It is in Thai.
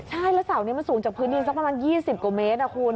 ใช่แล้วเสานี้มันสูงจากพื้นดินสักประมาณ๒๐กว่าเมตรคุณ